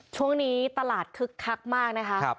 ช่วงนี้ตลาดคึกคักมากนะคะ